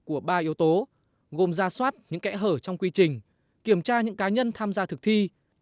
của ba yếu tố gồm ra soát những kẽ hở trong quy trình kiểm tra những cá nhân tham gia thực thi